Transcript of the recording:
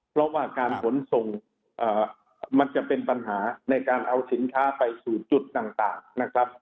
เพราะว่าการขนส่งมันจะเป็นปัญหาในการเอาสินค้าไปสู่จุดต่างนะครับ